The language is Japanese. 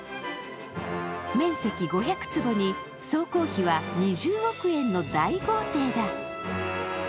面積５００坪に総工費は２０億円の大豪邸だ。